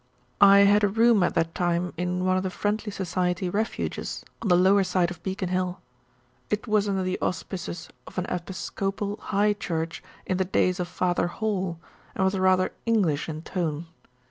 I had a room at that time in one of the Friendly Society refuges on the lower side of Beacon Hill. It was under the auspices of an Episcopal High Church in the days of Father Hall, and was rather English in tone.